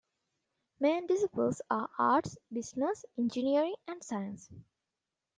Main disciples are arts, business, engineering and science.